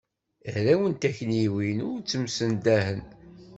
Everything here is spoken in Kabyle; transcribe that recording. Arraw n takniwin, ur ttemsendahen.